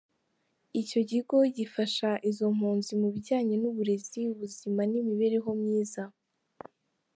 Icyo kigo gifasha izo mpunzi mu bijyanye n’uburezi, ubuzima n’iImibereho myiza.